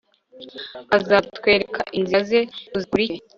azatwereka inzira ze, tuzikurikire